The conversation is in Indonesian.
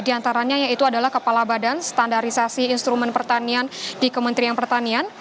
di antaranya yaitu adalah kepala badan standarisasi instrumen pertanian di kementerian pertanian